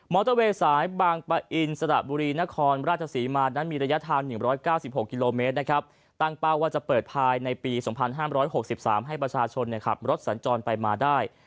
อเตอร์เวย์สายบางปะอินสระบุรีนครราชศรีมานั้นมีระยะทาง๑๙๖กิโลเมตรนะครับตั้งเป้าว่าจะเปิดภายในปี๒๕๖๓ให้ประชาชนขับรถสัญจรไปมาได้